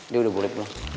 dia udah boleh pulang